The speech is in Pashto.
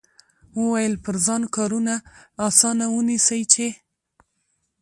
وویل پر ځان کارونه اسانه ونیسئ چې.